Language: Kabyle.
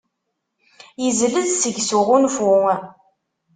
Yezlez seg -s uɣunfu.